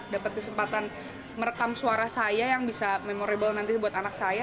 dapat kesempatan merekam suara saya yang bisa memorable nanti buat anak saya